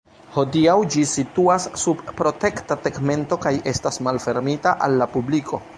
Hodiaŭ ĝi situas sub protekta tegmento kaj estas malfermita al la publiko.